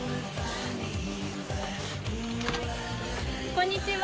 こんにちは。